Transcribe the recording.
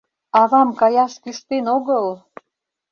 Авам каяш кӱштен огыл!